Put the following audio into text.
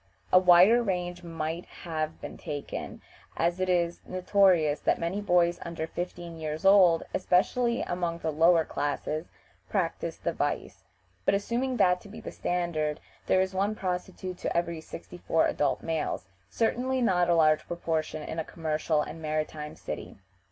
A wider range might have been taken, as it is notorious that many boys under fifteen years old, especially among the lower classes, practice the vice; but assuming that to be the standard, there is one prostitute to every sixty four adult males, certainly not a large proportion in a commercial and maritime city.